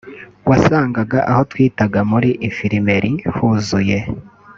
wasangaga aho twitaga muri infirmerie huzuye